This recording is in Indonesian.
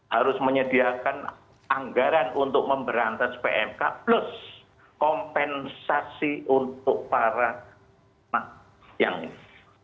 harus menyediakan anggaran untuk memberantas pmk plus kompensasi untuk para anak yang ini